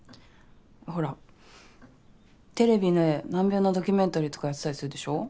ほらテレビで難病のドキュメンタリーとかやってたりするでしょ。